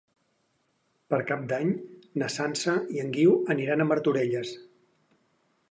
Per Cap d'Any na Sança i en Guiu aniran a Martorelles.